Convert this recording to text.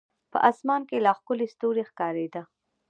په اسمان کې لا ښکلي ستوري ښکارېده.